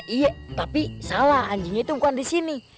iya tapi salah anjingnya itu bukan di sini